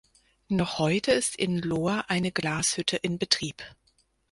Noch heute ist in Lohr eine Glashütte in Betrieb.